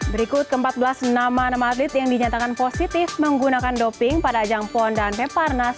berikut ke empat belas enam atlet yang dinyatakan positif menggunakan doping pada ajang pon dan peparnas dua ribu enam belas